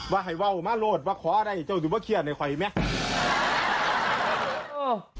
ว่าให้แว่มาโลดหว่าขออะไรเจ้าสิบเบาเคียดไนไขวไหม